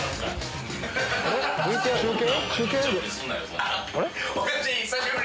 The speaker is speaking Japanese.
ＶＴＲ？中継？